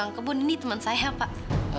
pak ini bukan semenja ini teman saya pak